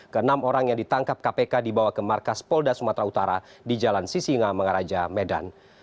ke enam orang yang ditangkap kpk dibawa ke markas polda sumatera utara di jalan sisinga mengaraja medan